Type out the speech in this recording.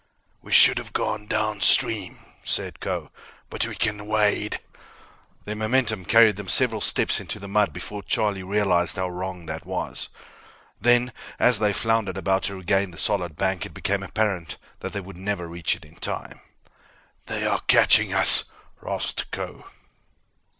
"We should have gone down stream," said Kho, "but we can wade." Their momentum carried them several steps into the mud before Charlie realized how wrong that was. Then, as they floundered about to regain the solid bank, it became apparent that they would never reach it in time. "They are catching us," rasped Kho.